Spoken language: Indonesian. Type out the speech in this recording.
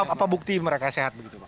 apa bukti mereka sehat begitu pak